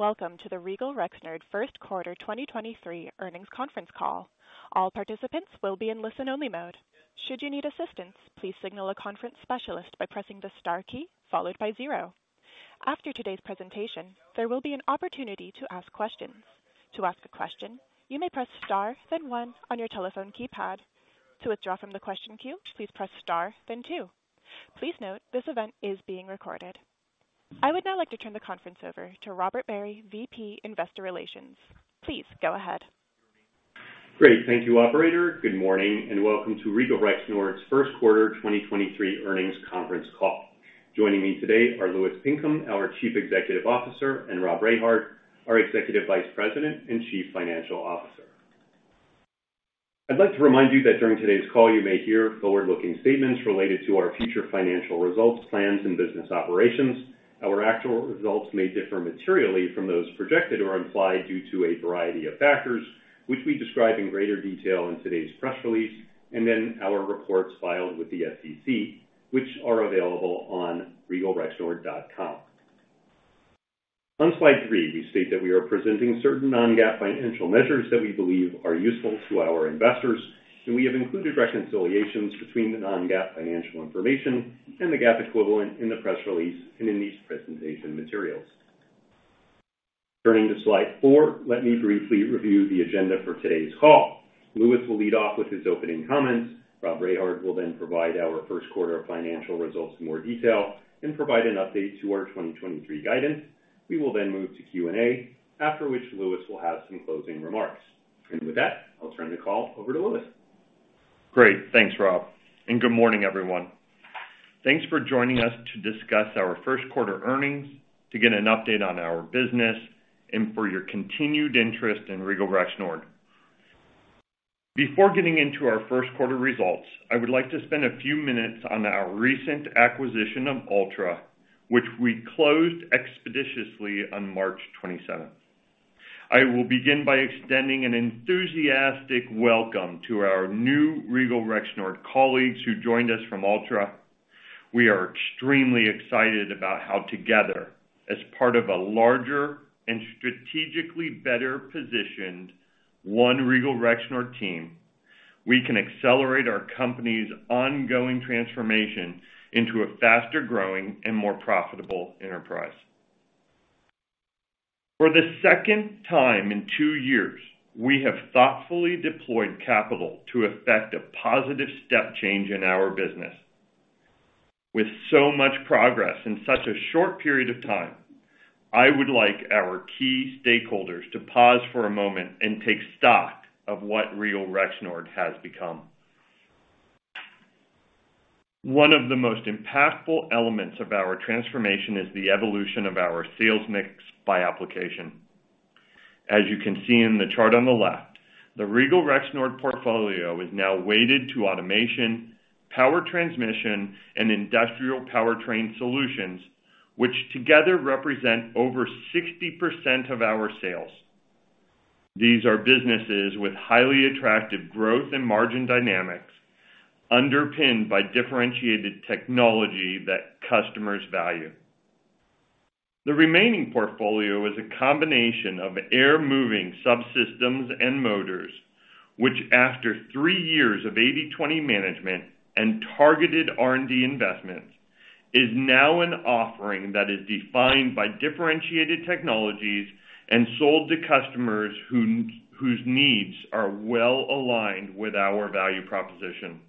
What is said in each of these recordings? Hello, welcome to the Regal Rexnord Q1 2023 earnings conference call. All participants will be in listen-only mode. Should you need assistance, please signal a conference specialist by pressing the star key followed by zero. After today's presentation, there will be an opportunity to ask questions. To ask a question, you may press star, then one on your telephone keypad. To withdraw from the question queue, please press star then two. Please note this event is being recorded. I would now like to turn the conference over to Robert Barry, VP, Investor Relations. Please go ahead. Great. Thank you, operator. Good morning and welcome to Regal Rexnord's Q1 2023 earnings conference call. Joining me today are Louis Pinkham, our Chief Executive Officer, and Rob Rehard, our Executive Vice President and Chief Financial Officer. I'd like to remind you that during today's call you may hear forward-looking statements related to our future financial results, plans, and business operations. Our actual results may differ materially from those projected or implied due to a variety of factors, which we describe in greater detail in today's press release, and then our reports filed with the SEC, which are available on regalrexnord.com. On slide three, we state that we are presenting certain non-GAAP financial measures that we believe are useful to our investors, and we have included reconciliations between the non-GAAP financial information and the GAAP equivalent in the press release and in these presentation materials. Turning to slide four, let me briefly review the agenda for today's call. Louis will lead off with his opening comments. Rob Rehard will then provide our Q1 financial results in more detail and provide an update to our 2023 guidance. We will then move to Q&A, after which Louis will have some closing remarks. With that, I'll turn the call over to Louis. Great. Thanks, Rob, and good morning, everyone. Thanks for joining us to discuss our Q1 earnings, to get an update on our business, and for your continued interest in Regal Rexnord. Before getting into our Q1 results, I would like to spend a few minutes on our recent acquisition of Altra, which we closed expeditiously on March 27th. I will begin by extending an enthusiastic welcome to our new Regal Rexnord colleagues who joined us from Altra. We are extremely excited about how together, as part of a larger and strategically better positioned one Regal Rexnord team, we can accelerate our company's ongoing transformation into a faster growing and more profitable enterprise. For the second time in two years, we have thoughtfully deployed capital to effect a positive step change in our business. With so much progress in such a short period of time, I would like our key stakeholders to pause for a moment and take stock of what Regal Rexnord has become. One of the most impactful elements of our transformation is the evolution of our sales mix by application. As you can see in the chart on the left, the Regal Rexnord portfolio is now weighted to automation, power transmission, and industrial powertrain solutions, which together represent over 60% of our sales. These are businesses with highly attractive growth and margin dynamics underpinned by differentiated technology that customers value. The remaining portfolio is a combination of air moving subsystems and motors, which after three years of 80/20 management and targeted R&D investments, is now an offering that is defined by differentiated technologies and sold to customers whose needs are well aligned with our value proposition.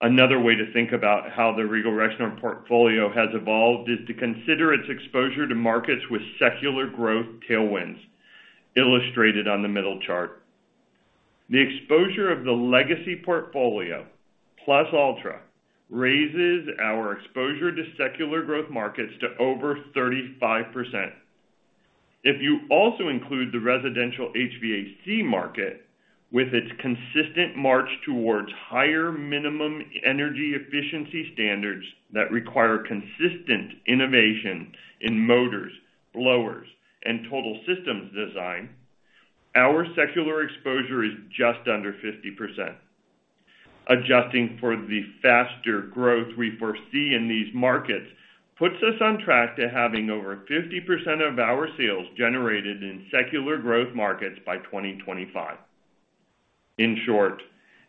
Another way to think about how the Regal Rexnord portfolio has evolved is to consider its exposure to markets with secular growth tailwinds, illustrated on the middle chart. The exposure of the legacy portfolio, plus Altra, raises our exposure to secular growth markets to over 35%. You also include the residential HVAC market with its consistent march towards higher minimum energy efficiency standards that require consistent innovation in motors, blowers, and total systems design, our secular exposure is just under 50%. Adjusting for the faster growth we foresee in these markets puts us on track to having over 50% of our sales generated in secular growth markets by 2025. In short,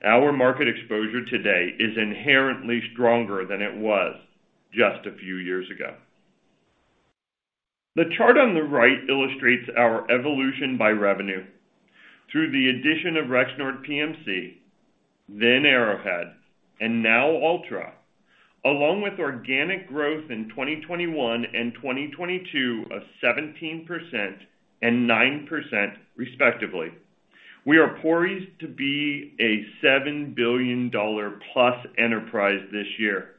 our market exposure today is inherently stronger than it was just a few years ago. The chart on the right illustrates our evolution by revenue. Through the addition of Rexnord PMC, then Arrowhead, and now Altra, along with organic growth in 2021 and 2022 of 17% and 9% respectively, we are poised to be a $7 billion plus enterprise this year.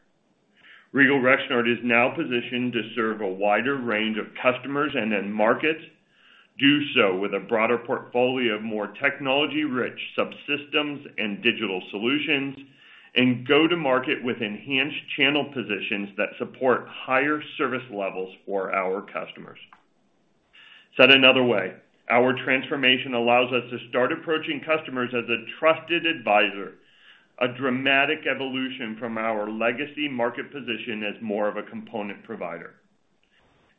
Regal Rexnord is now positioned to serve a wider range of customers and in markets, do so with a broader portfolio of more technology-rich subsystems and digital solutions, and go to market with enhanced channel positions that support higher service levels for our customers. Said another way, our transformation allows us to start approaching customers as a trusted advisor, a dramatic evolution from our legacy market position as more of a component provider.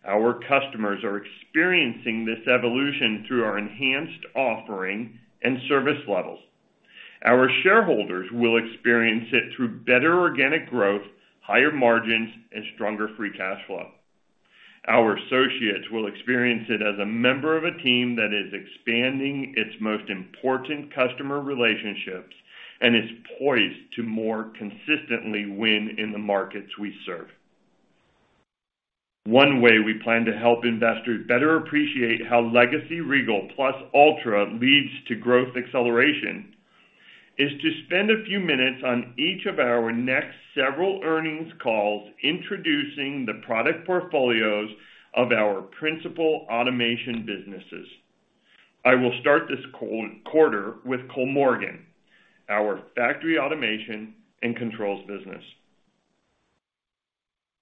Our customers are experiencing this evolution through our enhanced offering and service levels. Our shareholders will experience it through better organic growth, higher margins, and stronger free cash flow. Our associates will experience it as a member of a team that is expanding its most important customer relationships and is poised to more consistently win in the markets we serve. One way we plan to help investors better appreciate how legacy Regal plus Altra leads to growth acceleration is to spend a few minutes on each of our next several earnings calls introducing the product portfolios of our principal automation businesses. I will start this quarter with Kollmorgen, our factory automation and controls business.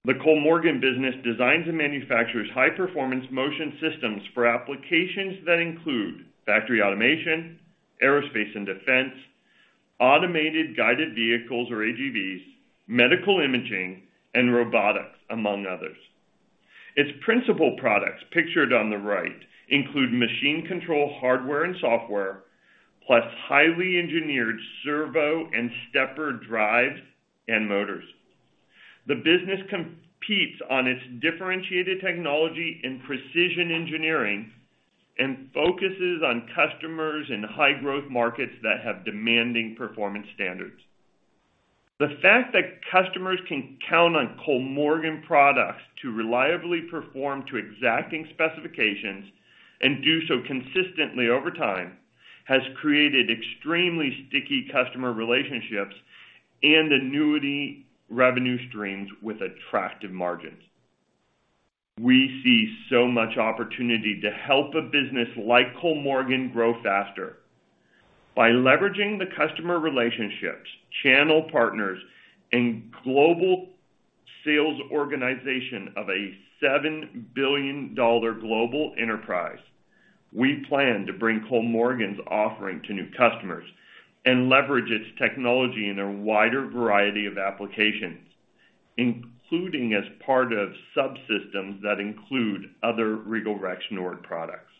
The Kollmorgen business designs and manufactures high-performance motion systems for applications that include factory automation, aerospace and defense, automated guided vehicles, or AGVs, medical imaging, and robotics, among others. Its principal products, pictured on the right, include machine control hardware and software, plus highly engineered servo and stepper drives and motors. The business competes on its differentiated technology in precision engineering and focuses on customers in high growth markets that have demanding performance standards. The fact that customers can count on Kollmorgen products to reliably perform to exacting specifications and do so consistently over time has created extremely sticky customer relationships and annuity revenue streams with attractive margins. We see so much opportunity to help a business like Kollmorgen grow faster. By leveraging the customer relationships, channel partners, and global sales organization of a $7 billion global enterprise, we plan to bring Kollmorgen's offering to new customers and leverage its technology in a wider variety of applications, including as part of subsystems that include other Regal Rexnord products.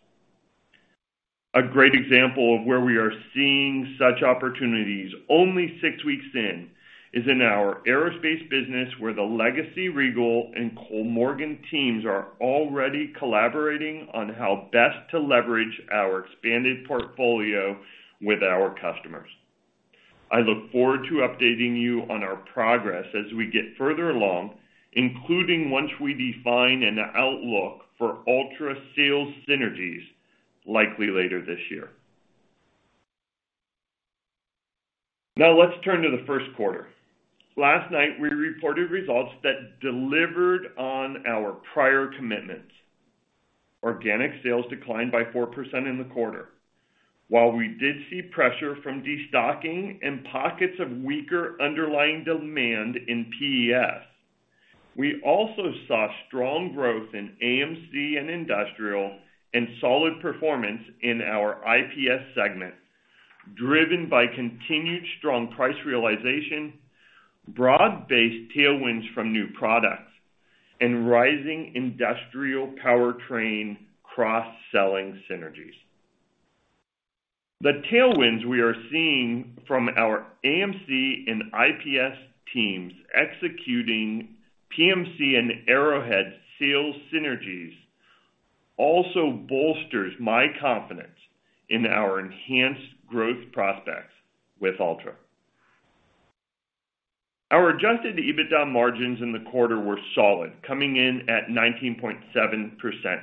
A great example of where we are seeing such opportunities only six weeks in is in our aerospace business, where the legacy Regal and Kollmorgen teams are already collaborating on how best to leverage our expanded portfolio with our customers. I look forward to updating you on our progress as we get further along, including once we define an outlook for Altra sales synergies, likely later this year. Let's turn to the Q1. Last night, we reported results that delivered on our prior commitments. Organic sales declined by 4% in the quarter. While we did see pressure from destocking and pockets of weaker underlying demand in PES, we also saw strong growth in AMC and industrial and solid performance in our IPS segment, driven by continued strong price realization, broad-based tailwinds from new products, and rising industrial powertrain cross-selling synergies. The tailwinds we are seeing from our AMC and IPS teams executing PMC and Arrowhead sales synergies also bolsters my confidence in our enhanced growth prospects with Altra. Our adjusted EBITDA margins in the quarter were solid, coming in at 19.7%,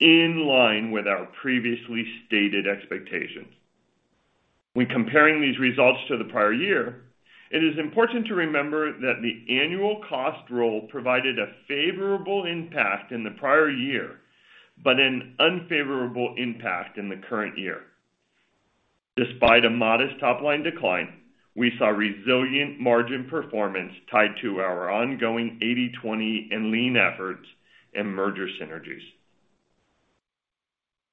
in line with our previously stated expectations. When comparing these results to the prior year, it is important to remember that the annual cost roll provided a favorable impact in the prior year, but an unfavorable impact in the current year. Despite a modest top-line decline, we saw resilient margin performance tied to our ongoing 80/20 and lean efforts and merger synergies.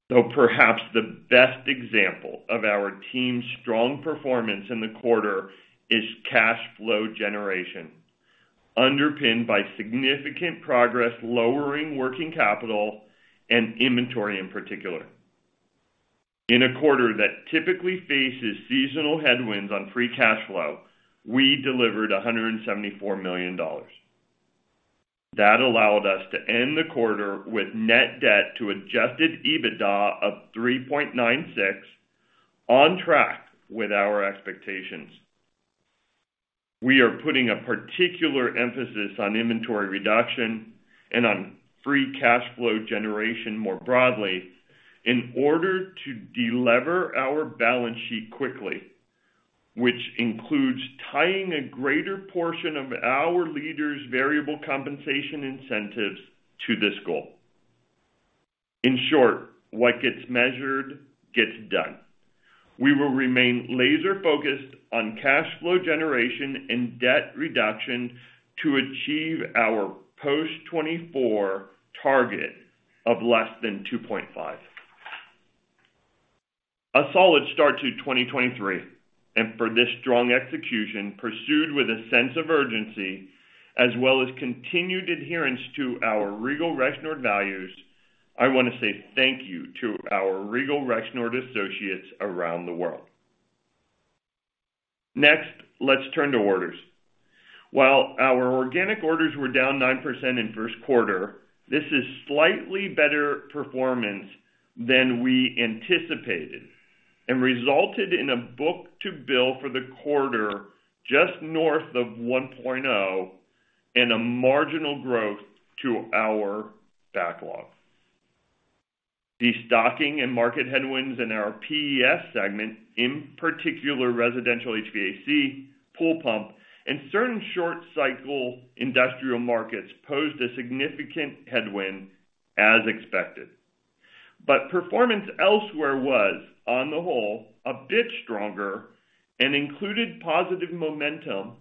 Though perhaps the best example of our team's strong performance in the quarter is cash flow generation, underpinned by significant progress lowering working capital and inventory in particular. In a quarter that typically faces seasonal headwinds on free cash flow, we delivered $174 million. Allowed us to end the quarter with net debt to adjusted EBITDA of 3.96, on track with our expectations. We are putting a particular emphasis on inventory reduction and on free cash flow generation more broadly in order to de-lever our balance sheet quickly, which includes tying a greater portion of our leaders' variable compensation incentives to this goal. In short, what gets measured gets done. We will remain laser focused on cash flow generation and debt reduction to achieve our post 2024 target of less than 2.5. A solid start to 2023, for this strong execution pursued with a sense of urgency as well as continued adherence to our Regal Rexnord values, I wanna say thank you to our Regal Rexnord associates around the world. Next, let's turn to orders. While our organic orders were down 9% in Q1, this is slightly better performance than we anticipated and resulted in a book-to-bill for the quarter just north of 1.0 and a marginal growth to our backlog. Destocking and market headwinds in our PES segment, in particular residential HVAC, pool pump, and certain short cycle industrial markets posed a significant headwind as expected. Performance elsewhere was, on the whole, a bit stronger and included positive momentum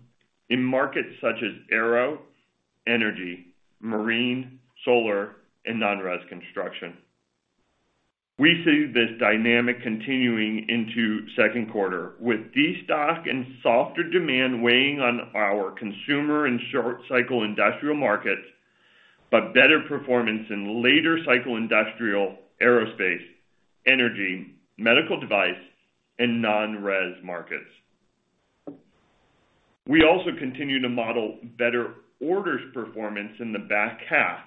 in markets such as aero, energy, marine, solar, and non-res construction. We see this dynamic continuing into Q2 with destock and softer demand weighing on our consumer and short cycle industrial markets, but better performance in later cycle industrial, aerospace, energy, medical device, and non-res markets. We also continue to model better orders performance in the back half,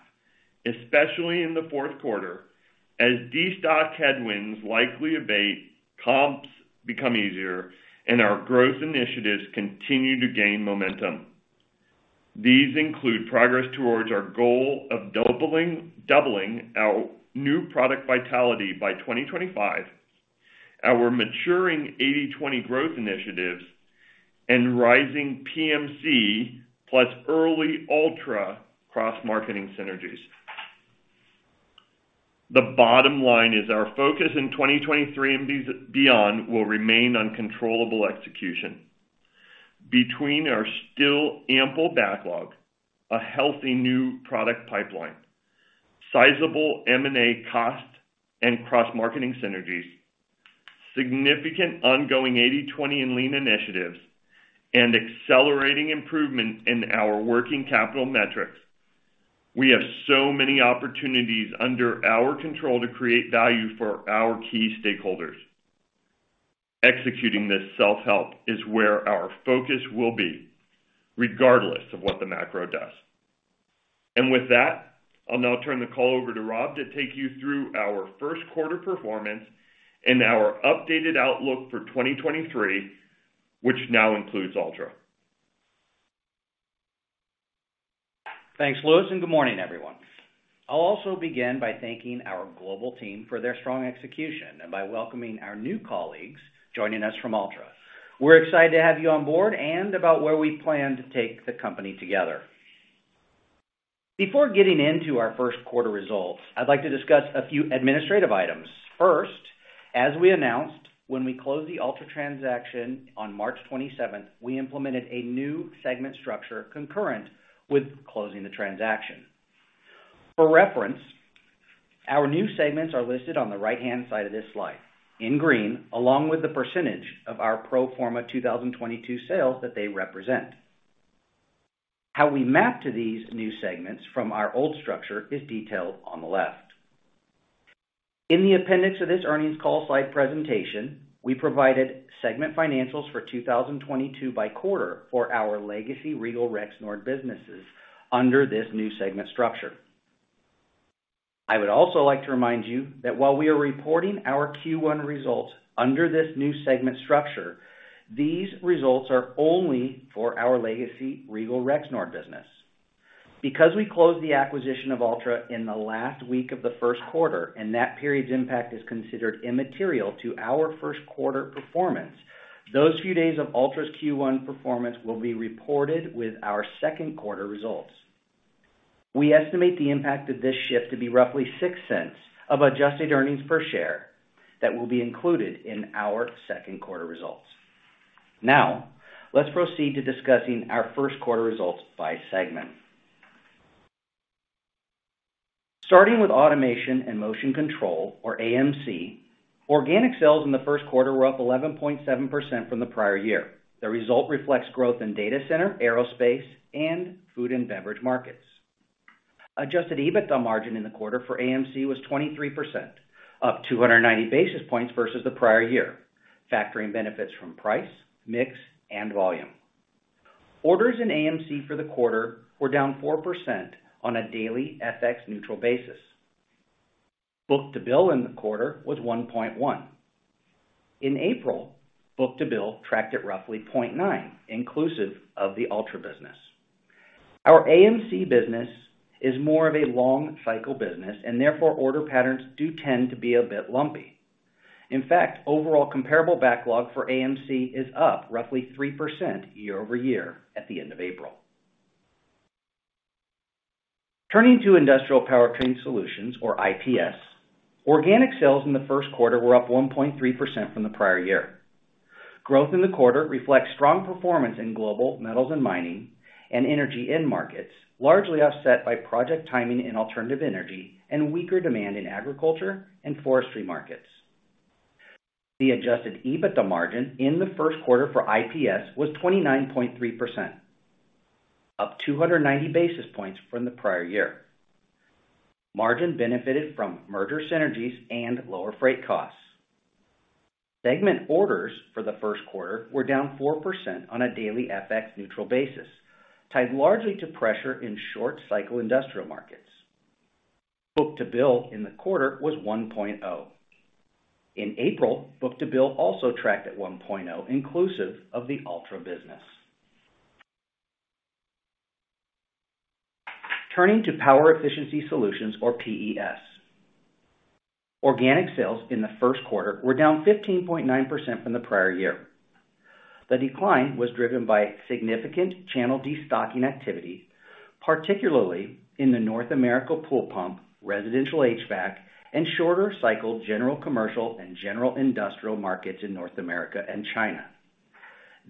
especially in the Q4, as destock headwinds likely abate, comps become easier, and our growth initiatives continue to gain momentum. These include progress towards our goal of doubling our new product vitality by 2025, our maturing 80/20 growth initiatives, and rising PMC, plus early Altra cross-marketing synergies. The bottom line is our focus in 2023 and beyond will remain on controllable execution. Between our still ample backlog, a healthy new product pipeline, sizable M&A cost and cross-marketing synergies, significant ongoing 80/20 and lean initiatives, and accelerating improvement in our working capital metrics, we have so many opportunities under our control to create value for our key stakeholders. Executing this self-help is where our focus will be regardless of what the macro does. With that, I'll now turn the call over to Rob to take you through our Q1 performance and our updated outlook for 2023, which now includes Altra. Thanks, Louis, and good morning, everyone. I'll also begin by thanking our global team for their strong execution and by welcoming our new colleagues joining us from Altra. We're excited to have you on board and about where we plan to take the company together. Before getting into our Q1 results, I'd like to discuss a few administrative items. First, as we announced when we closed the Altra transaction on March 27th, we implemented a new segment structure concurrent with closing the transaction. For reference, our new segments are listed on the right-hand side of this slide in green, along with the % of our pro forma 2022 sales that they represent. How we map to these new segments from our old structure is detailed on the left. In the appendix of this earnings call slide presentation, we provided segment financials for 2022 by quarter for our legacy Regal Rexnord businesses under this new segment structure. I would also like to remind you that while we are reporting our Q1 results under this new segment structure, these results are only for our legacy Regal Rexnord business. We closed the acquisition of Altra in the last week of the Q1, and that period's impact is considered immaterial to our Q1 performance, those few days of Altra's Q1 performance will be reported with our Q2 results. We estimate the impact of this shift to be roughly $0.06 of adjusted earnings per share that will be included in our Q2 results. Let's proceed to discussing our Q1 results by segment. Starting with Automation & Motion Control, or AMC, organic sales in the Q1 were up 11.7% from the prior year. The result reflects growth in data center, aerospace, and food and beverage markets. Adjusted EBITDA margin in the quarter for AMC was 23%, up 290 basis points versus the prior year, factoring benefits from price, mix, and volume. Orders in AMC for the quarter were down 4% on a daily FX-neutral basis. Book-to-bill in the quarter was 1.1. In April, book-to-bill tracked at roughly 0.9, inclusive of the Altra business. Our AMC business is more of a long cycle business and therefore order patterns do tend to be a bit lumpy. In fact, overall comparable backlog for AMC is up roughly 3% year-over-year at the end of April. Turning to Industrial Powertrain Solutions, or IPS. Organic sales in the Q1 were up 1.3% from the prior year. Growth in the quarter reflects strong performance in global, metals and mining, and energy end markets, largely offset by project timing in alternative energy and weaker demand in agriculture and forestry markets. The adjusted EBITDA margin in the Q1 for IPS was 29.3%, up 290 basis points from the prior year. Margin benefited from merger synergies and lower freight costs. Segment orders for the Q1 were down 4% on a daily FX-neutral basis, tied largely to pressure in short cycle industrial markets. Book-to-bill in the quarter was 1.0. In April, book-to-bill also tracked at 1.0, inclusive of the Altra business. Turning to Power Efficiency Solutions, or PES. Organic sales in the Q1 were down 15.9% from the prior year. The decline was driven by significant channel destocking activity, particularly in the North America pool pump, residential HVAC, and shorter cycle general commercial and general industrial markets in North America and China.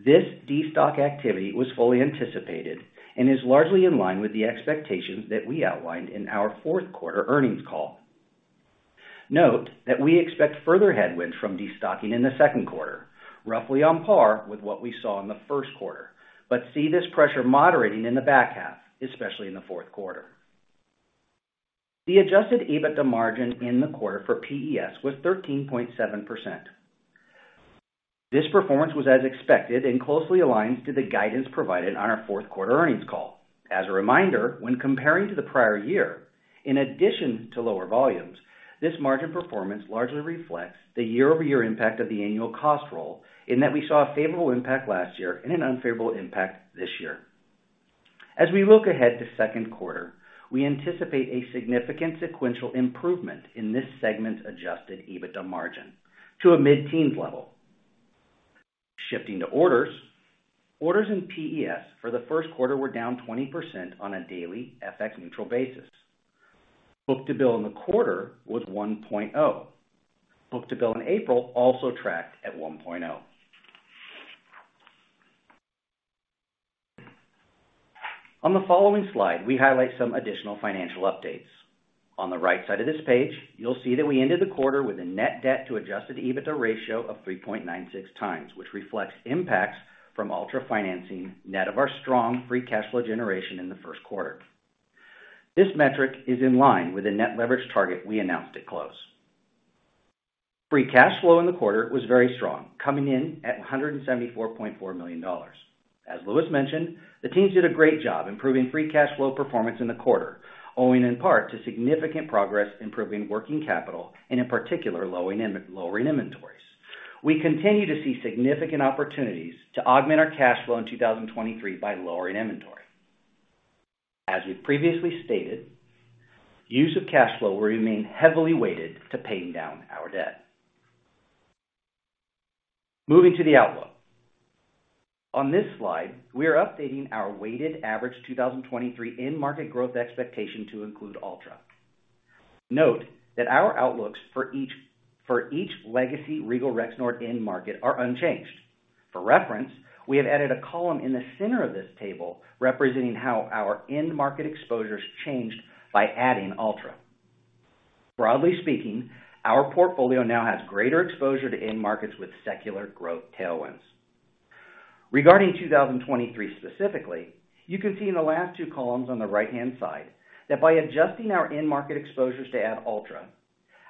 This destock activity was fully anticipated and is largely in line with the expectations that we outlined in our Q4 earnings call. Note that we expect further headwinds from destocking in the Q2, roughly on par with what we saw in the Q1. See this pressure moderating in the back half, especially in the Q4. The adjusted EBITDA margin in the quarter for PES was 13.7%. This performance was as expected and closely aligns to the guidance provided on our Q4 earnings call. As a reminder, when comparing to the prior year, in addition to lower volumes, this margin performance largely reflects the year-over-year impact of the annual cost roll, in that we saw a favorable impact last year and an unfavorable impact this year. As we look ahead to Q2, we anticipate a significant sequential improvement in this segment's adjusted EBITDA margin to a mid-teen level. Shifting to orders. Orders in PES for the Q1 were down 20% on a daily FX-neutral basis. Book-to-bill in the quarter was 1.0. Book-to-bill in April also tracked at 1.0. On the following slide, we highlight some additional financial updates. On the right side of this page, you'll see that we ended the quarter with a net debt to adjusted EBITDA ratio of 3.96x, which reflects impacts from Altra financing, net of our strong free cash flow generation in the Q1. This metric is in line with the net leverage target we announced at close. Free cash flow in the quarter was very strong, coming in at $174.4 million. As Lewis mentioned, the teams did a great job improving free cash flow performance in the quarter, owing in part to significant progress improving working capital, and in particular, lowering inventories. We continue to see significant opportunities to augment our cash flow in 2023 by lowering inventory. As we previously stated, use of cash flow will remain heavily weighted to paying down our debt. Moving to the outlook. On this slide, we are updating our weighted average 2023 end market growth expectation to include Altra. Note that our outlooks for each legacy Regal Rexnord end market are unchanged. For reference, we have added a column in the center of this table representing how our end market exposure's changed by adding Altra. Broadly speaking, our portfolio now has greater exposure to end markets with secular growth tailwinds. Regarding 2023 specifically, you can see in the last two columns on the right-hand side that by adjusting our end market exposures to add Altra,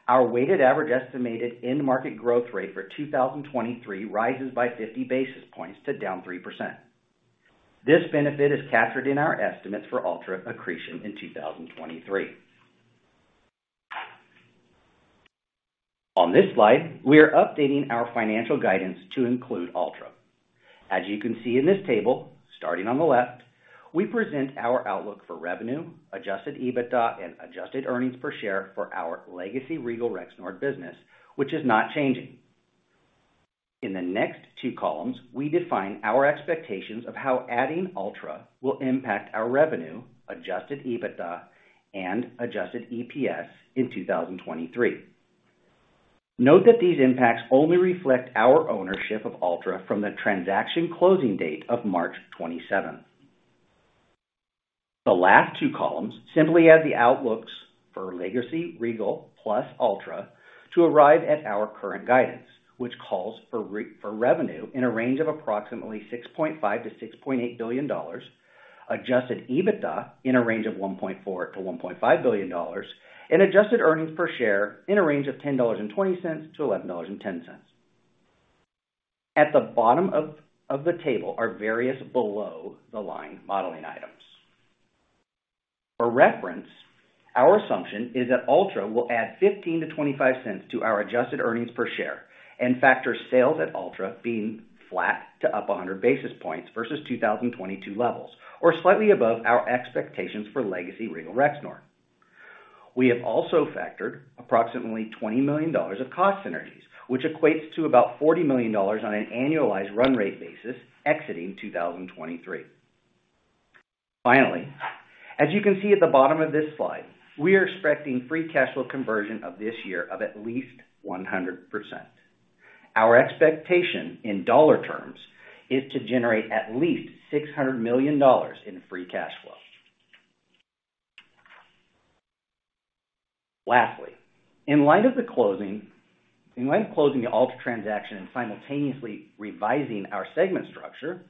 our weighted average estimated end market growth rate for 2023 rises by 50 basis points to down 3%. This benefit is captured in our estimates for Altra accretion in 2023. On this slide, we are updating our financial guidance to include Altra. As you can see in this table, starting on the left, we present our outlook for revenue, adjusted EBITDA, and adjusted EPS for our legacy Regal Rexnord business, which is not changing. In the next two columns, we define our expectations of how adding Altra will impact our revenue, adjusted EBITDA, and adjusted EPS in 2023. Note that these impacts only reflect our ownership of Altra from the transaction closing date of March 27th. The last two columns simply add the outlooks for legacy Regal plus Altra to arrive at our current guidance, which calls for for revenue in a range of approximately $6.5 billion-$6.8 billion, adjusted EBITDA in a range of $1.4 billion-$1.5 billion, and adjusted earnings per share in a range of $10.20-$11.10. At the bottom of the table are various below the line modeling items. For reference, our assumption is that Altra will add $0.15-$0.25 to our adjusted earnings per share and factor sales at Altra being flat to up 100 basis points versus 2022 levels, or slightly above our expectations for legacy Regal Rexnord. We have also factored approximately $20 million of cost synergies, which equates to about $40 million on an annualized run rate basis exiting 2023. Finally, as you can see at the bottom of this slide, we are expecting free cash flow conversion of this year of at least 100%. Our expectation in dollar terms is to generate at least $600 million in free cash flow. Lastly, in light of closing the Altra transaction and simultaneously revising our segment structure,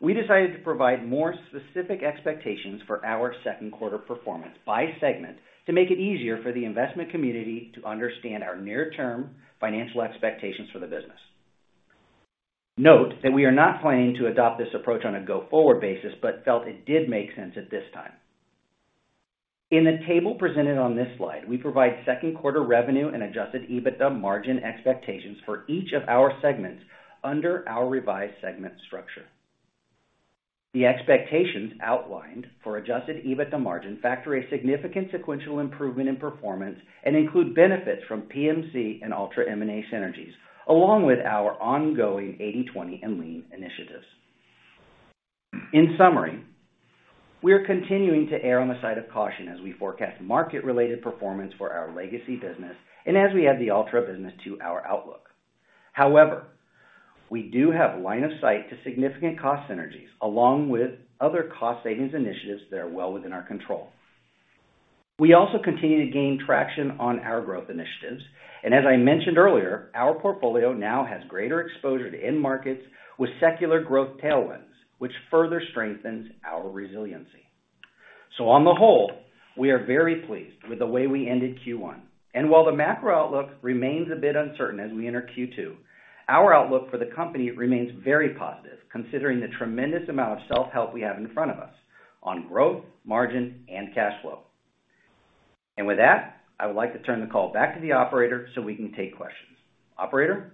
we decided to provide more specific expectations for our Q2 performance by segment to make it easier for the investment community to understand our near-term financial expectations for the business. Note that we are not planning to adopt this approach on a go-forward basis, but felt it did make sense at this time. In the table presented on this slide, we provide Q2 revenue and adjusted EBITDA margin expectations for each of our segments under our revised segment structure. The expectations outlined for adjusted EBITDA margin factor a significant sequential improvement in performance and include benefits from PMC and Altra M&A synergies, along with our ongoing 80/20 and lean initiatives. In summary, we are continuing to err on the side of caution as we forecast market-related performance for our legacy business and as we add the Altra business to our outlook. However, we do have line of sight to significant cost synergies along with other cost savings initiatives that are well within our control. We also continue to gain traction on our growth initiatives, and as I mentioned earlier, our portfolio now has greater exposure to end markets with secular growth tailwinds, which further strengthens our resiliency. On the whole, we are very pleased with the way we ended Q1. While the macro outlook remains a bit uncertain as we enter Q2, our outlook for the company remains very positive considering the tremendous amount of self-help we have in front of us on growth, margin and cash flow. With that, I would like to turn the call back to the operator so we can take questions. Operator?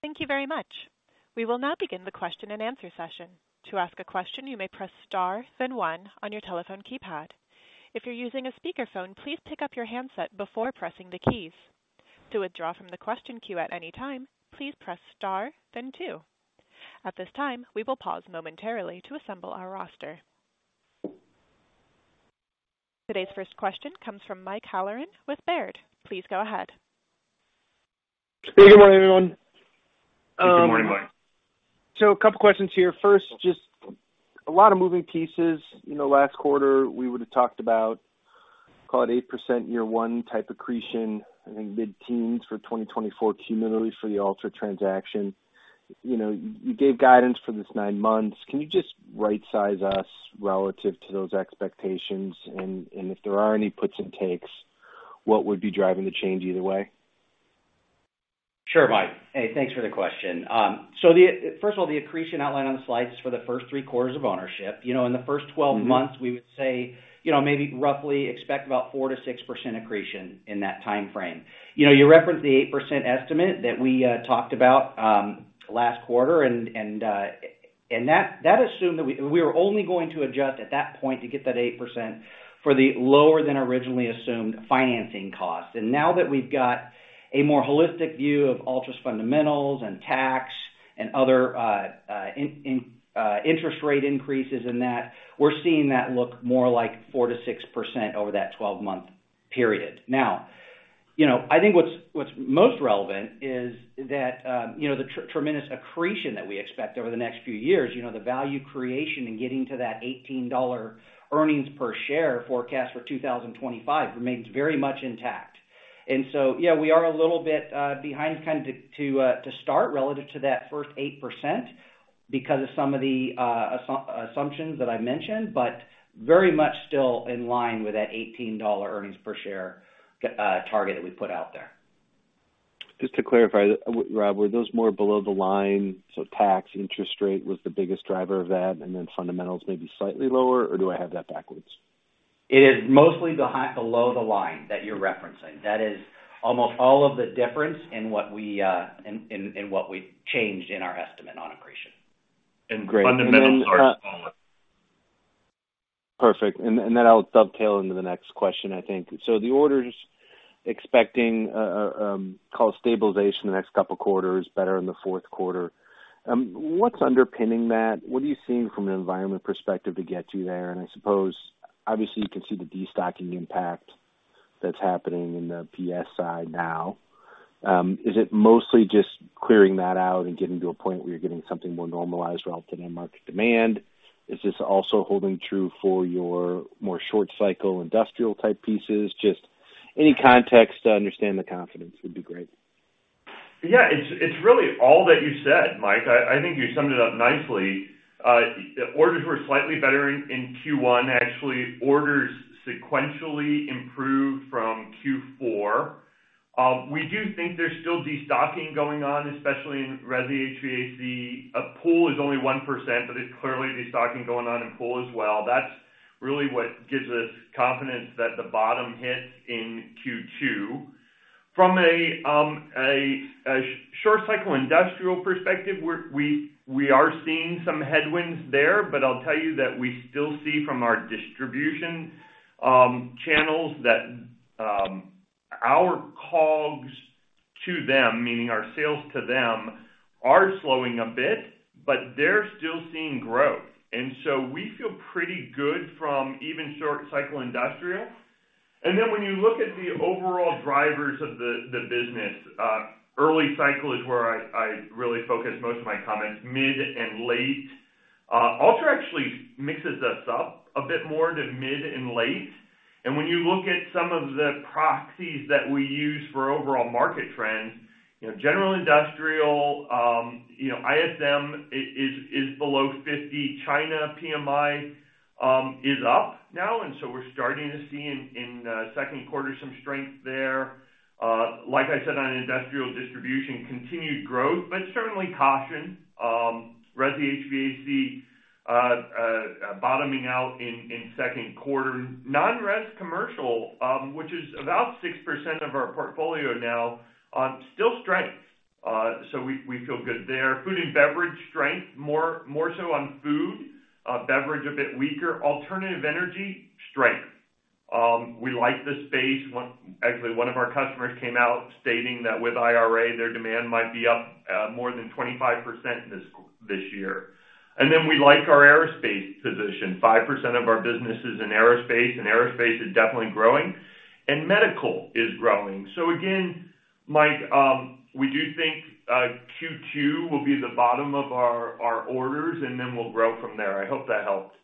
Thank you very much. We will now begin the question and answer session. To ask a question, you may press star then one on your telephone keypad. If you're using a speakerphone, please pick up your handset before pressing the keys. To withdraw from the question queue at any time, please press star then two. At this time, we will pause momentarily to assemble our roster. Today's first question comes from Mike Halloran with Baird. Please go ahead. Good morning, everyone. Good morning, Mike. A couple questions here. First, just a lot of moving pieces. You know, last quarter we would have talked about call it 8% year one type accretion, I think mid-teens for 2024 cumulatively for the Altra transaction. You know, you gave guidance for this nine months. Can you just right size us relative to those expectations? And if there are any puts and takes, what would be driving the change either way? Sure, Mike. Hey, thanks for the question. First of all, the accretion outlined on the slide is for the first three quarters of ownership. You know, in the first 12 months, we would say, you know, maybe roughly expect about 4%-6% accretion in that time frame. You know, you referenced the 8% estimate that we talked about last quarter. That assumed that we were only going to adjust at that point to get that 8% for the lower than originally assumed financing costs. Now that we've got a more holistic view of Altra's fundamentals and tax and other interest rate increases in that, we're seeing that look more like 4%-6% over that 12-month period. Now, you know, I think what's most relevant is that, you know, the tremendous accretion that we expect over the next few years, you know, the value creation in getting to that $18 earnings per share forecast for 2025 remains very much intact. Yeah, we are a little bit behind kind of to start relative to that first 8% because of some of the assumptions that I mentioned, but very much still in line with that $18 earnings per share target that we put out there. Just to clarify, Rob, were those more below the line, so tax interest rate was the biggest driver of that and then fundamentals may be slightly lower, or do I have that backwards? It is mostly below the line that you're referencing. That is almost all of the difference in what we in what we changed in our estimate on accretion. Great. Fundamentals are smaller. Perfect. Then I'll dovetail into the next question, I think. The orders expecting, call it stabilization the next couple quarters, better in the Q4. What's underpinning that? What are you seeing from an environment perspective to get you there? I suppose obviously you can see the destocking impact that's happening in the PES side now. Is it mostly just clearing that out and getting to a point where you're getting something more normalized relative to market demand? Is this also holding true for your more short cycle industrial type pieces? Just any context to understand the confidence would be great. Yeah, it's really all that you said, Mike. I think you summed it up nicely. Orders were slightly better in Q1. Actually, orders sequentially improved from Q4. We do think there's still destocking going on, especially in resi HVAC. Pool is only 1%, but it's clearly destocking going on in pool as well. That's really what gives us confidence that the bottom hit in Q2. From a short cycle industrial perspective, we are seeing some headwinds there, but I'll tell you that we still see from our distribution channels that our COGS to them, meaning our sales to them, are slowing a bit, but they're still seeing growth. We feel pretty good from even short cycle industrial. When you look at the overall drivers of the business, early cycle is where I really focus most of my comments. Mid and late, Altra actually mixes us up a bit more to mid and late. When you look at some of the proxies that we use for overall market trends, you know, general industrial, you know, ISM is below 50. China PMI is up now. We're starting to see in Q2 some strength there. Like I said, on an industrial distribution, continued growth, certainly caution. res HVAC bottoming out in Q2. Non-res commercial, which is about 6% of our portfolio now, still strength. We feel good there. Food and beverage strength, more, more so on food. Beverage, a bit weaker. Alternative energy, strength. We like the space. Actually, one of our customers came out stating that with IRA, their demand might be up more than 25% this year. We like our aerospace position. 5% of our business is in aerospace, and aerospace is definitely growing, and medical is growing. Again, Mike, we do think Q2 will be the bottom of our orders, and then we'll grow from there. I hope that helps.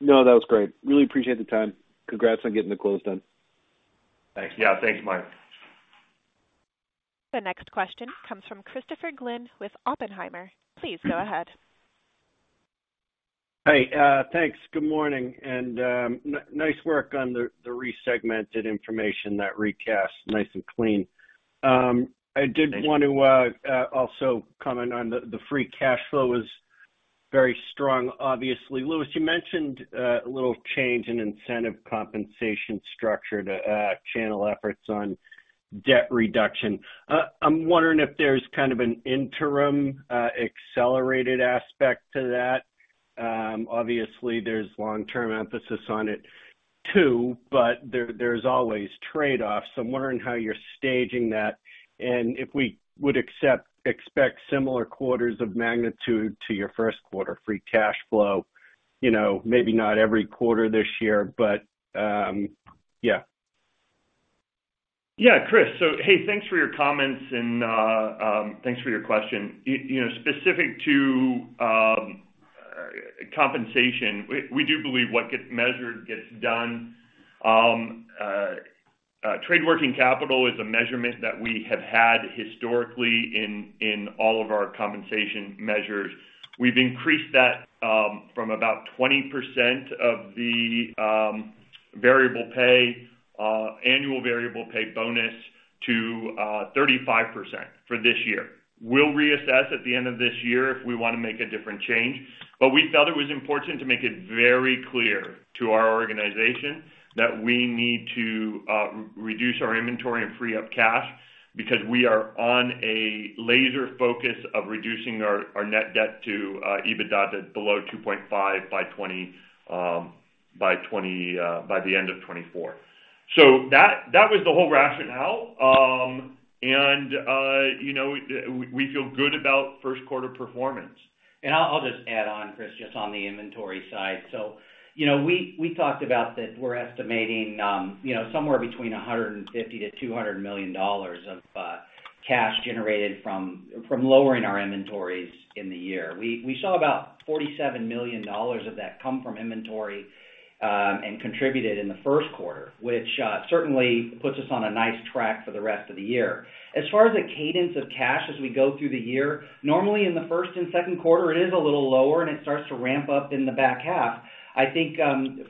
No, that was great. Really appreciate the time. Congrats on getting the close done. Thanks. Yeah, thanks, Mike. The next question comes from Christopher Glynn with Oppenheimer. Please go ahead. Hey, thanks. Good morning. Nice work on the resegmented information, that recast. Nice and clean. I did want to also comment on the free cash flow is very strong, obviously. Lewis, you mentioned a little change in incentive compensation structure to channel efforts on debt reduction. I'm wondering if there's kind of an interim, accelerated aspect to that. Obviously, there's long-term emphasis on it too, but there's always trade-offs, so I'm wondering how you're staging that and if we would expect similar quarters of magnitude to your Q1 free cash flow, you know, maybe not every quarter this year, but, yeah. Yeah. Chris, hey, thanks for your comments and thanks for your question. You know, specific to compensation, we do believe what gets measured gets done. trade working capital is a measurement that we have had historically in all of our compensation measures. We've increased that from about 20% of the variable pay, annual variable pay bonus to 35% for this year. We'll reassess at the end of this year if we want to make a different change, but we felt it was important to make it very clear to our organization that we need to reduce our inventory and free up cash because we are on a laser focus of reducing our net debt to EBITDA to below 2.5 by the end of 2024.That, that was the whole rationale. You know, we feel good about Q1 performance. I'll just add on, Chris, just on the inventory side. You know, we talked about that we're estimating, you know, somewhere between $150 million-$200 million of cash generated from lowering our inventories in the year. We saw about $47 million of that come from inventory and contributed in the Q1, which certainly puts us on a nice track for the rest of the year. As far as the cadence of cash as we go through the year, normally in the first and Q2 it is a little lower, and it starts to ramp up in the back half. I think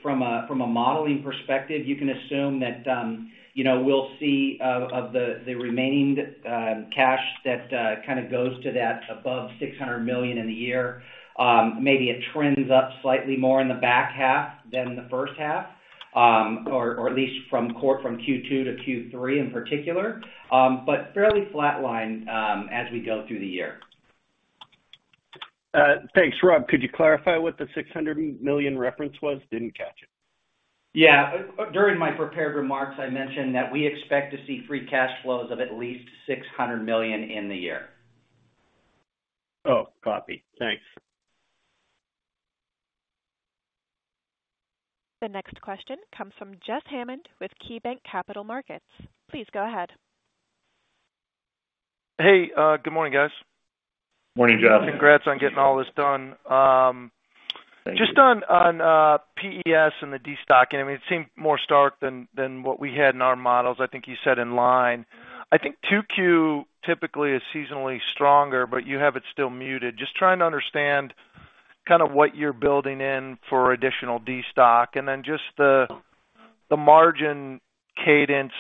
from a modeling perspective, you can assume that we'll see of the remaining cash that kind of goes to that above $600 million in the year. Maybe it trends up slightly more in the back half than the first half, or at least from Q2-Q3 in particular. Fairly flatline as we go through the year. Thanks. Rob, could you clarify what the $600 million reference was? Didn't catch it. Yeah. During my prepared remarks, I mentioned that we expect to see free cash flows of at least $600 million in the year. Oh, copy. Thanks. The next question comes from Jeff Hammond with KeyBanc Capital Markets. Please go ahead. Hey, good morning, guys. Morning, Jess. Morning. Congrats on getting all this done. Thank you. Just on PES and the destocking, I mean, it seemed more stark than what we had in our models. I think you said in line. I think Q2 typically is seasonally stronger, but you have it still muted. Just trying to understand kind of what you're building in for additional destock and then just the margin cadence,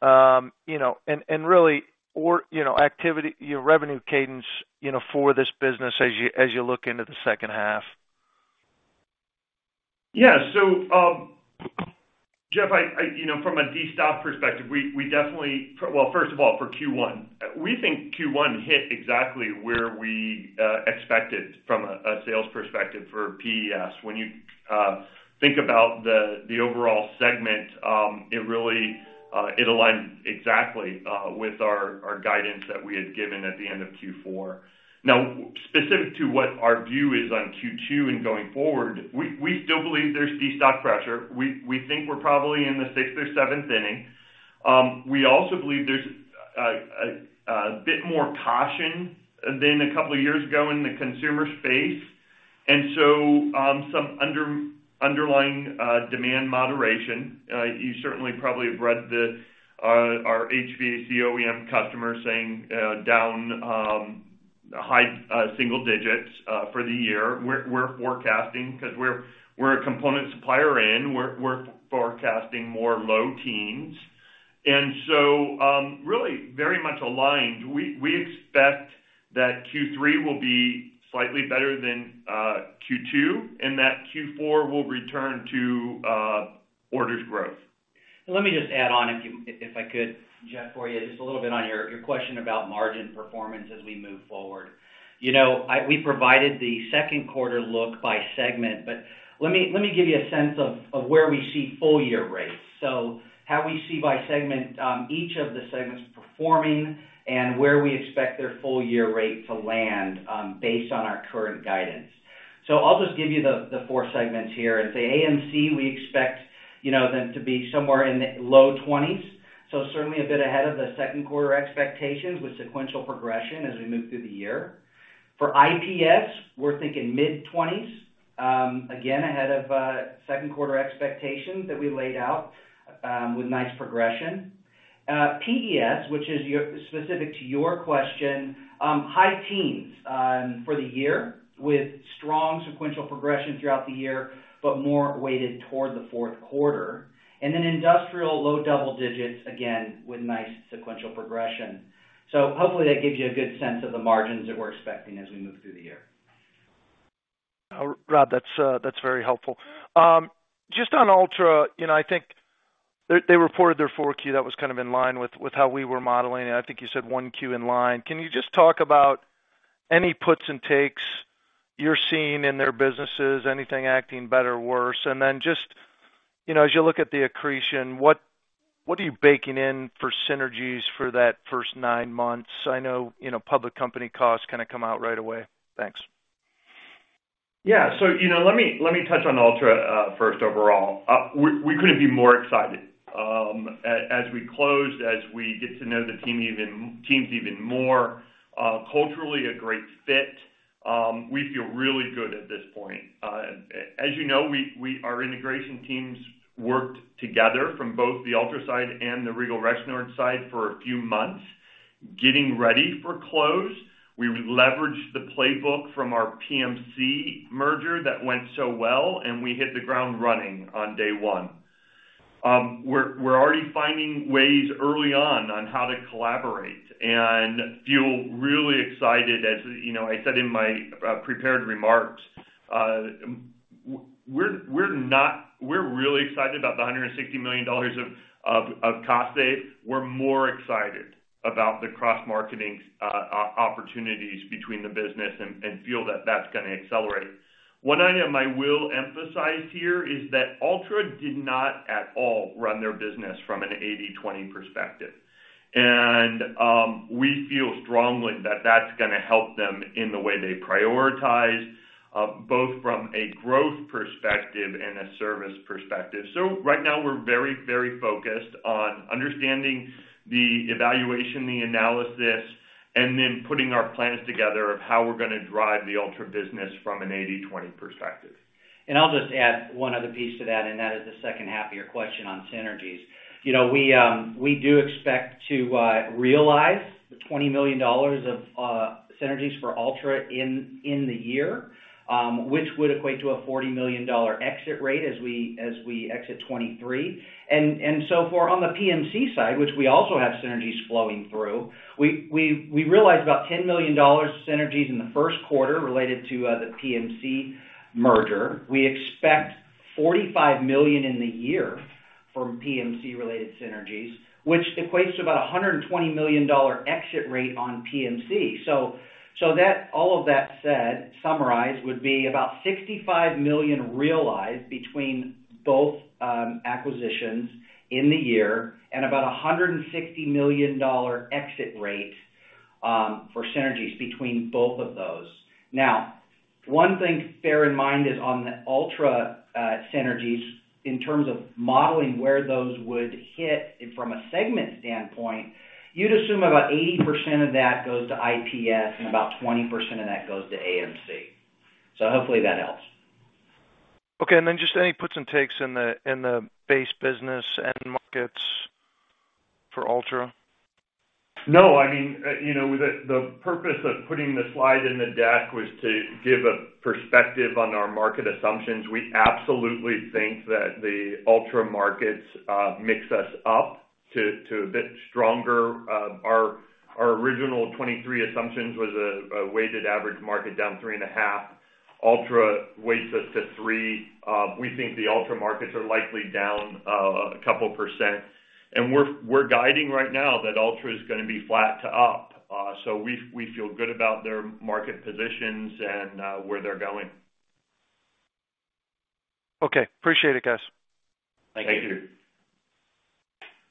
you know, and really or, you know, activity, your revenue cadence, you know, for this business as you look into the second half. Jeff, I, you know, from a destock perspective, we definitely Well, first of all, for Q1, we think Q1 hit exactly where we expected from a sales perspective for PES. When you think about the overall segment, it really aligns exactly with our guidance that we had given at the end of Q4. Specific to what our view is on Q2 and going forward, we still believe there's destock pressure. We think we're probably in the sixth or seventh inning. We also believe there's a bit more caution than a couple of years ago in the consumer space, some underlying demand moderation. You certainly probably have read the our HVAC OEM customer saying down high single digits for the year. We're forecasting because we're a component supplier in, we're forecasting more low teens. Really very much aligned. We expect that Q3 will be slightly better than Q2, and that Q4 will return to orders growth. Let me just add on, if I could, Jeff, for you, just a little bit on your question about margin performance as we move forward. You know, we provided the Q2 look by segment, but let me give you a sense of where we see full year rates. How we see by segment, each of the segments performing and where we expect their full year rate to land, based on our current guidance. I'll just give you the four segments here. At the AMC, we expect, you know, them to be somewhere in the low 20s. Certainly a bit ahead of the Q2 expectations with sequential progression as we move through the year. For IPS, we're thinking mid-20s, again, ahead of Q2 expectations that we laid out with nice progression. PES, which is specific to your question, high teens for the year with strong sequential progression throughout the year, but more weighted toward the Q4. Industrial, low double digits, again, with nice sequential progression. Hopefully that gives you a good sense of the margins that we're expecting as we move through the year. Rob, that's very helpful. Just on Altra, you know, I think they reported their Q4 that was kind of in line with how we were modeling. I think you said Q1 in line. Can you just talk about any puts and takes you're seeing in their businesses, anything acting better or worse? Then just, you know, as you look at the accretion, what are you baking in for synergies for that first 9 months? I know, you know, public company costs kinda come out right away. Thanks. You know, let me touch on Altra first overall. We couldn't be more excited. As we closed, as we get to know the teams even more, culturally a great fit. We feel really good at this point. As you know, our integration teams worked together from both the Altra side and the Regal Rexnord side for a few months, getting ready for close. We leveraged the playbook from our PMC merger that went so well, and we hit the ground running on day one. We're already finding ways early on how to collaborate and feel really excited. As you know, I said in my prepared remarks, we're really excited about the $160 million of cost save. We're more excited about the cross-marketing opportunities between the business and feel that that's gonna accelerate. One item I will emphasize here is that Altra did not at all run their business from an 80/20 perspective. We feel strongly that that's gonna help them in the way they prioritize, both from a growth perspective and a service perspective. Right now, we're very, very focused on understanding the evaluation, the analysis, and then putting our plans together of how we're gonna drive the Altra business from an 80/20 perspective. I'll just add one other piece to that, and that is the second half of your question on synergies. You know, we do expect to realize the $20 million of synergies for Altra in the year, which would equate to a $40 million exit rate as we exit 2023. So for on the PMC side, which we also have synergies flowing through, we realized about $10 million synergies in the Q1 related to the PMC merger. We expect $45 million in the year from PMC related synergies, which equates to about a $120 million exit rate on PMC. All of that said, summarized, would be about $65 million realized between both acquisitions in the year and about a $160 million exit rate for synergies between both of those. One thing to bear in mind is on the Altra synergies in terms of modeling where those would hit from a segment standpoint, you'd assume about 80% of that goes to IPS and about 20% of that goes to AMC. Hopefully that helps. Okay. Then just any puts and takes in the, in the base business end markets for Altra? No, I mean, you know, the purpose of putting the slide in the deck was to give a perspective on our market assumptions. We absolutely think that the Altra markets mix us up to a bit stronger. Our original 2023 assumptions was a weighted average market down 3.5. Altra weighs us to three. We think the Altra markets are likely down 2%. We're guiding right now that Altra is gonna be flat to up. We feel good about their market positions and where they're going. Okay. Appreciate it, guys. Thank you.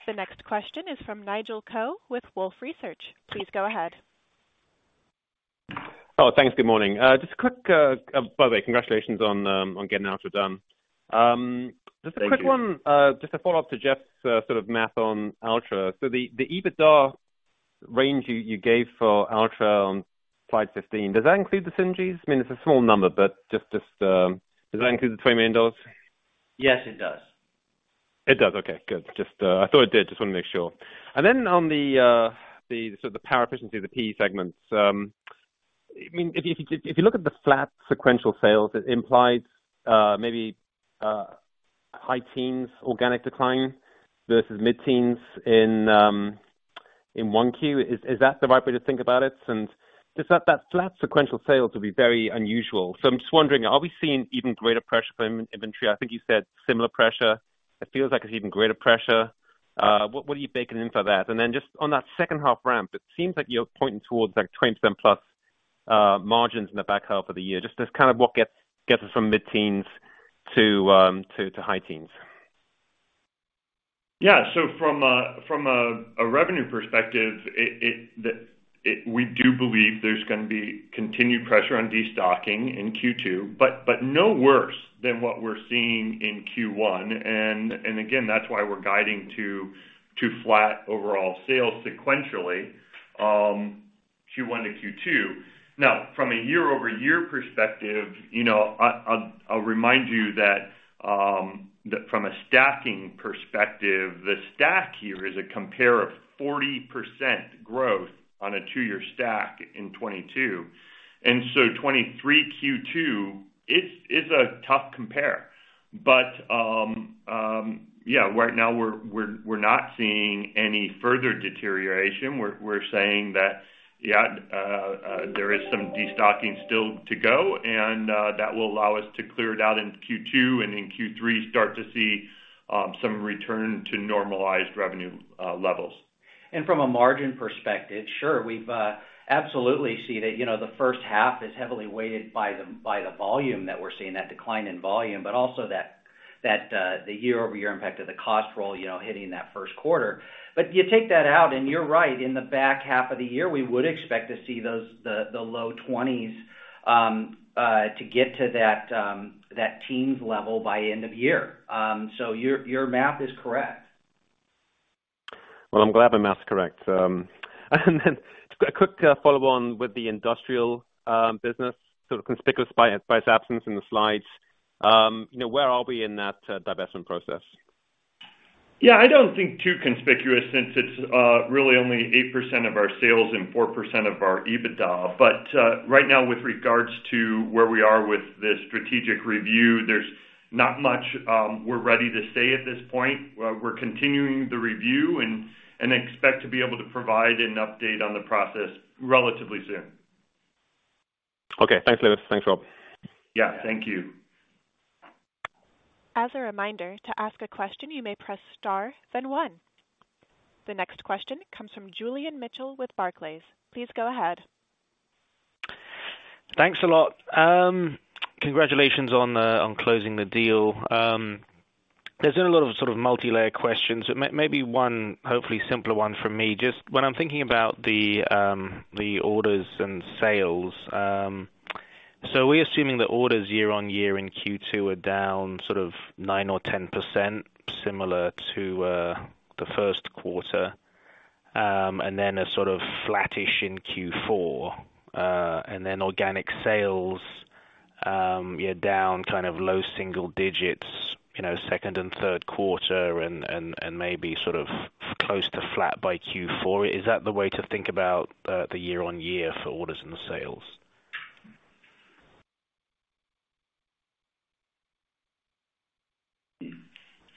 The next question is from Nigel Coe with Wolfe Research. Please go ahead. Oh, thanks. Good morning. By the way, congratulations on on getting Altra done. Thank you. Just a quick one, just a follow-up to Jeff's sort of math on Altra. The EBITDA range you gave for Altra on slide 15, does that include the synergies? I mean, it's a small number, but just, does that include the $20 million? Yes, it does. It does. Okay, good. Just, I thought it did, just wanna make sure. On the sort of the power efficiency of the PE segments, I mean, if, if you look at the flat sequential sales, it implies, maybe, high teens organic decline versus mid-teens in Q1. Is that the right way to think about it? Since just that flat sequential sales would be very unusual. I'm just wondering, are we seeing even greater pressure from inventory? I think you said similar pressure. It feels like it's even greater pressure. What are you baking in for that? Just on that second half ramp, it seems like you're pointing towards like 20%+ margins in the back half of the year. Just kind of what gets us from mid-teens to high teens. Yeah. From a revenue perspective, we do believe there's gonna be continued pressure on destocking in Q2, but no worse than what we're seeing in Q1. Again, that's why we're guiding to flat overall sales sequentially, Q1 to Q2. Now, from a year-over-year perspective, you know, I'll remind you that from a stacking perspective, the stack here is a compare of 40% growth on a two-year stack in 2022. 2023 Q2, it's a tough compare. Yeah, right now we're not seeing any further deterioration. We're saying that, yeah, there is some destocking still to go, and that will allow us to clear it out in Q2, and in Q3, start to see some return to normalized revenue levels. From a margin perspective, sure, we've absolutely see that, you know, the first half is heavily weighted by the volume that we're seeing, that decline in volume, but also that the year-over-year impact of the cost roll, you know, hitting that Q1. You take that out, and you're right, in the back half of the year, we would expect to see those the low 20s to get to that teens level by end of year. Your math is correct. Well, I'm glad my math is correct. Just a quick follow on with the industrial business, sort of conspicuous by its absence in the slides. You know, where are we in that divestment process? Yeah, I don't think too conspicuous since it's really only 8% of our sales and 4% of our EBITDA. Right now, with regards to where we are with the strategic review, there's not much we're ready to say at this point. We're continuing the review and expect to be able to provide an update on the process relatively soon. Okay. Thanks, Louis. Thanks, Rob. Yeah. Thank you. As a reminder, to ask a question, you may press star then one. The next question comes from Julian Mitchell with Barclays. Please go ahead. Thanks a lot. Congratulations on closing the deal. There's been a lot of sort of multi-layer questions. Maybe one, hopefully simpler one from me. Just when I'm thinking about the orders and sales, we're assuming the orders year-on-year in Q2 are down sort of 9% or 10% similar to the Q1, and then a sort of flattish in Q4, and then organic sales, yeah, down kind of low single digits, you know, second and Q3 and maybe sort of close to flat by Q4. Is that the way to think about the year-on-year for orders and the sales?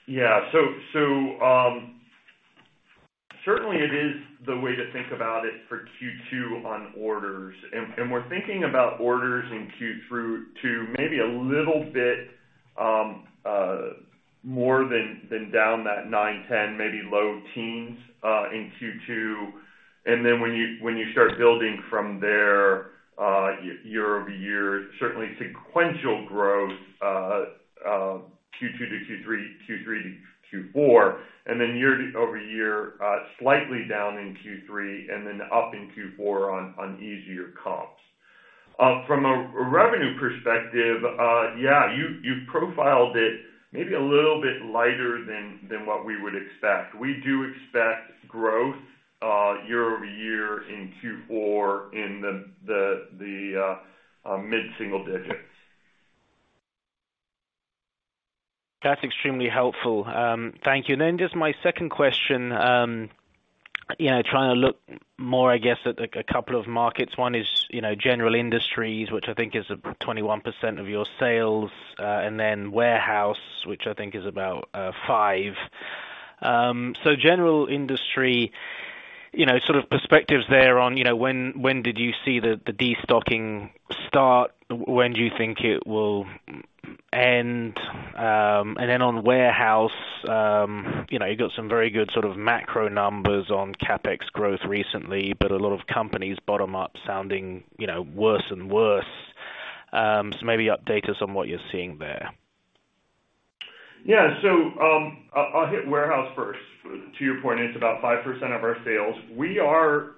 Yeah. Certainly it is the way to think about it for Q2 on orders. We're thinking about orders in Q2 to maybe a little bit more than down that 9%-10%, maybe low teens in Q2. When you start building from there, year-over-year, certainly sequential growth Q2 to Q3 to Q4, then year-over-year, slightly down in Q3, and then up in Q4 on easier comps. From a revenue perspective, you profiled it maybe a little bit lighter than what we would expect. We do expect growth year-over-year in Q4 in the mid-single digits. That's extremely helpful. Thank you. Just my second question, you know, trying to look more, I guess, at a couple of markets. One is, you know, general industries, which I think is 21% of your sales, and then warehouse, which I think is about 5%. General industry. You know, sort of perspectives there on, you know, when did you see the destocking start? When do you think it will end? On warehouse, you know, you got some very good sort of macro numbers on CapEx growth recently, but a lot of companies bottom up sounding, you know, worse and worse. Maybe update us on what you're seeing there. Yeah. I'll hit warehouse first. To your point, it's about 5% of our sales. We are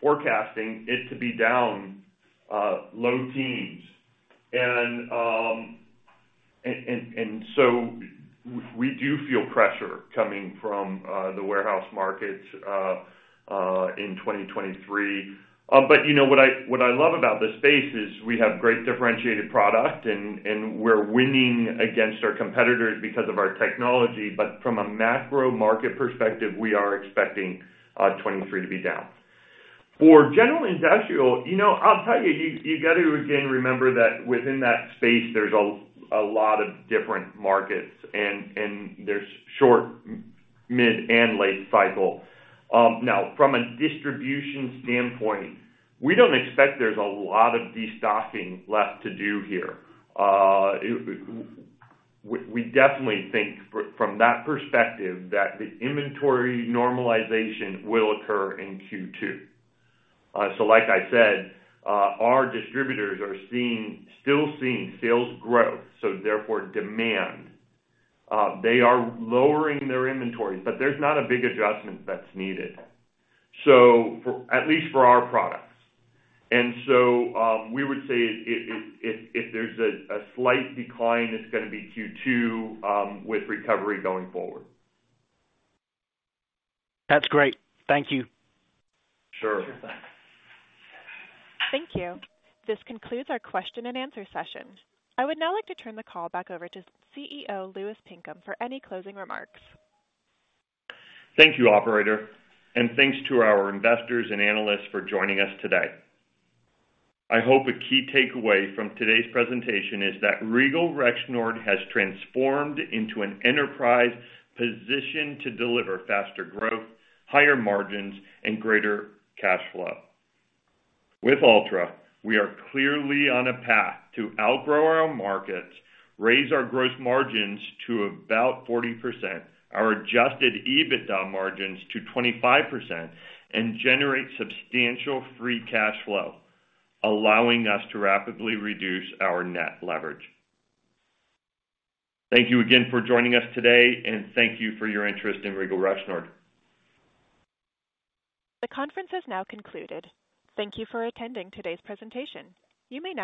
forecasting it to be down low teens. We do feel pressure coming from the warehouse markets in 2023. You know, what I love about this space is we have great differentiated product and we're winning against our competitors because of our technology. From a macro market perspective, we are expecting 23 to be down. For general industrial, you know, I'll tell you got to again remember that within that space there's a lot of different markets and there's short, mid, and late cycle. Now from a distribution standpoint, we don't expect there's a lot of destocking left to do here. We definitely think from that perspective that the inventory normalization will occur in Q2. Like I said, our distributors are still seeing sales growth, so therefore demand. They are lowering their inventories, but there's not a big adjustment that's needed. At least for our products. We would say if there's a slight decline, it's gonna be Q2 with recovery going forward. That's great. Thank you. Sure. Thank you. This concludes our question and answer session. I would now like to turn the call back over to CEO Louis Pinkham for any closing remarks. Thank you, operator, and thanks to our investors and analysts for joining us today. I hope a key takeaway from today's presentation is that Regal Rexnord has transformed into an enterprise positioned to deliver faster growth, higher margins, and greater cash flow. With Altra, we are clearly on a path to outgrow our markets, raise our gross margins to about 40%, our adjusted EBITDA margins to 25%, and generate substantial free cash flow, allowing us to rapidly reduce our net leverage. Thank you again for joining us today, and thank you for your interest in Regal Rexnord. The conference has now concluded. Thank you for attending today's presentation. You may disconnect.